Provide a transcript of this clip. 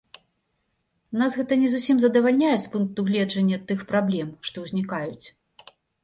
Нас гэта не зусім задавальняе з пункту гледжання тых праблем, што ўзнікаюць.